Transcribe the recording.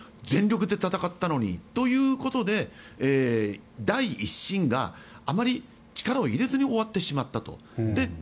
全力で戦ったのにということで第１審があまり力を入れずに終わってしまったと。